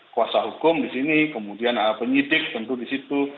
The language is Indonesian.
kuasa hukum di sini kemudian penyidik tentu di situ